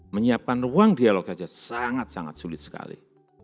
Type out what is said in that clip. menyiapkan ruang dialog saja sangat sangat sulit sekali